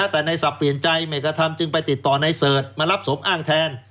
แต่ในศัพท์เปลี่ยนใจไม่กระทำจึงไปติดต่อในเสิร์ชมารับศพอ้างแทน